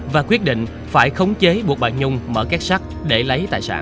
và quyết định phải khống chế buộc bà nhung mở két sắt để lấy tài sản